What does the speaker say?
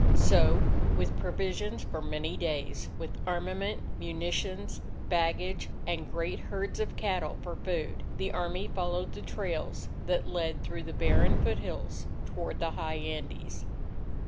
So with provisions for many days, with armament, munitions, baggage, and great herds of cattle for food, the Army followed the trails that led through the barren foothills toward the high Andes.